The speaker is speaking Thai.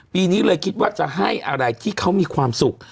ปีนี้เลยคิดว่าจะให้อะไรที่เขามีความสุข